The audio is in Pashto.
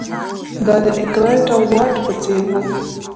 دا د ارکرایټ او واټ په څېر وو.